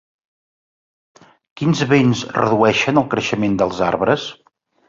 Quins vents redueixen el creixement dels arbres?